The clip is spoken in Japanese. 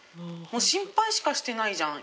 心配しかしてないじゃん。